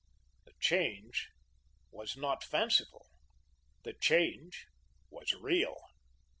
The change was not fanciful. The change was real.